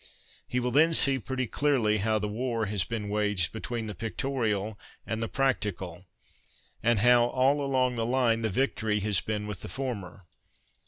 He will then see pretty clearly how the war has been waged between the pictorial and the practical, and how, all along the line, the victory has been with the former.